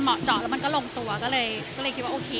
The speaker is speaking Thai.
มันต่ายก็น่องตัวเลยเลยคิดว่าโอเค